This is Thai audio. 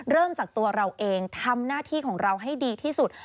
เริ่มจากตัวเราเองทำหน้าที่ของเราให้ดีที่สุด